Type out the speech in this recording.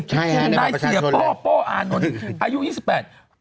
ใช่ครับในบ้านประชาชนนายเสียโป้โป้อานนท์อายุ๒๘